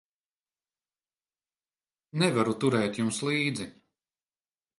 Nevaru turēt jums līdzi.